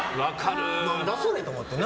何だそれと思ってな。